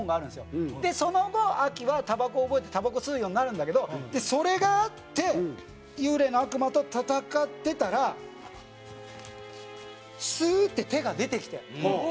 その後アキはたばこを覚えてたばこ吸うようになるんだけどそれがあって幽霊の悪魔と戦ってたらスーッて手が出てきて。